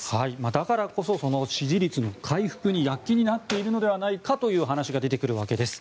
だからこそ支持率の回復に躍起になっているのではないかという話が出てくるわけです。